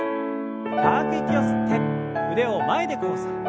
深く息を吸って腕を前で交差。